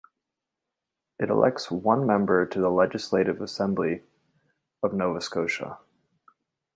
It elects one member to the Legislative Assembly of Nova Scotia.